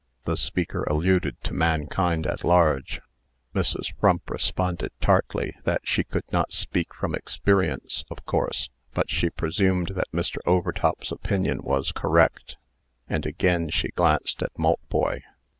The speaker alluded to mankind at large. Mrs. Frump responded tartly, that she could not speak from experience, of course, but she presumed that Mr. Overtop's opinion was correct. And again she glanced at Maltboy.